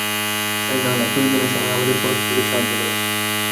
আরে না, না, প্রয়োজনের সময় আমাদের পরষ্পরকে সাহায্য করা উচিত।